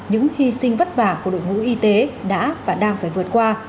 những hy sinh vất vả của đội ngũ y tế đã và đang phải vượt qua